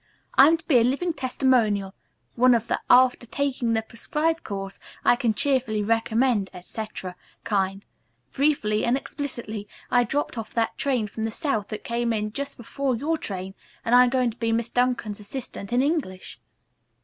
I am to be a living testimonial, one of the 'after taking the prescribed course I can cheerfully recommend, etc.,' kind. Briefly and explicitly, I dropped off that train from the south that came in just before your train, and I'm going to be Miss Duncan's assistant in English."